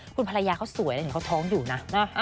คุณภรรยาเขาสวยนะเห็นเขาท้องอยู่นะ